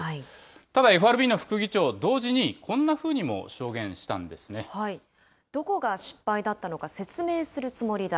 ただＦＲＢの副議長、同時にこんどこが失敗だったのか説明するつもりだ。